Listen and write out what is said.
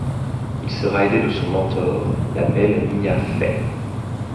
Il sera aidé de son mentor, la belle Mia Fey.